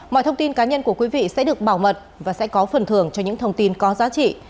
mọi thông tin cá nhân của quý vị sẽ được bảo mật và sẽ có phần thưởng cho những thông tin có giá trị